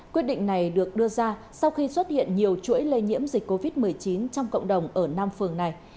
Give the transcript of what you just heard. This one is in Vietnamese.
quyết định này được đưa ra sau khi xuất hiện nhiều chuỗi lây nhiễm dịch covid một mươi chín trong cộng đồng ở năm phường này